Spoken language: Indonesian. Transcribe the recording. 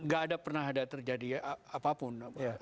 gak ada pernah ada terjadi apapun